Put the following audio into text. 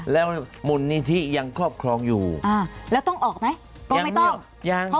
แล้วมูลนิธิยังครอบครองอยู่อ่าแล้วต้องออกไหมก็ไม่ต้องยัง